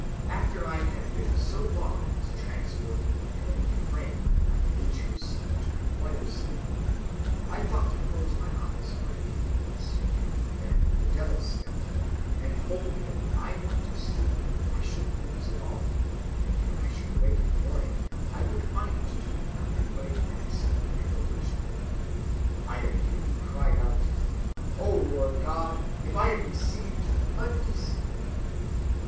After I had been so long in this transport and heavenly frame that my nature seemed to require sleep, I thought to close my eyes for a few moments; then the devil stepped in, and told me that if I went to sleep, I should lose it all, and when I should awake in the morning I would find it to be nothing but a fancy and delusion. I immediately cried out, O Lord God, if I am deceived, undeceive me.